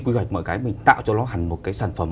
quy hoạch mọi cái mình tạo cho nó hẳn một cái sản phẩm